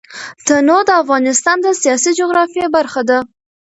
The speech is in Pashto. تنوع د افغانستان د سیاسي جغرافیه برخه ده.